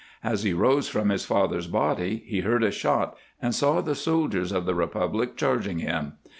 As he rose from his father's body he heard a shot and saw the soldiers of the Republic charging him.